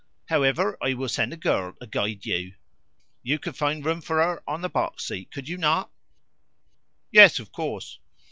However, I will send a girl to guide you. You could find room for her on the box seat, could you not?" "Yes, of course."